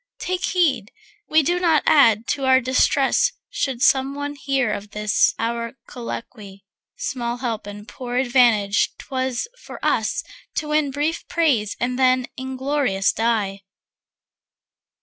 Take heed we do not add to our distress Should some one hear of this our colloquy. Small help and poor advantage 'twere for us To win brief praise and then inglorious die.